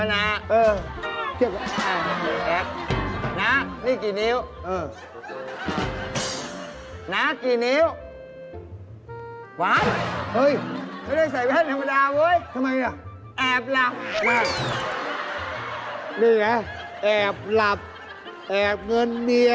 นี่ไงแอบหลับแอบเงินเมีย